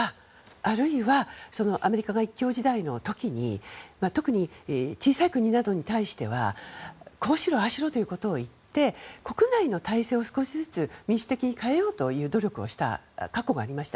あるいはアメリカが一強時代の時に特に小さい国などに対してはこうしろああしろということを言って、国内の体制を少しずつ民主的に変えようという努力をした過去がありました。